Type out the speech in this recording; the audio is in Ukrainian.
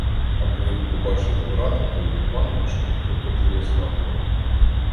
А були б побачили брата тої панночки, про котру я згадувала.